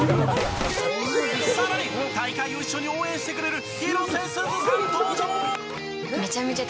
更に、大会を一緒に応援してくれる広瀬すずさん登場！